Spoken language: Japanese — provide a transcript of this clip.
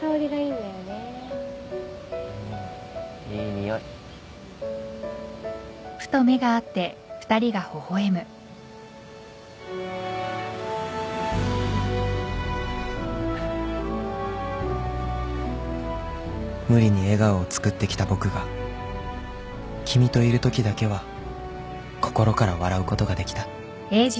うんいい匂い［無理に笑顔をつくってきた僕が君といるときだけは心から笑うことができた］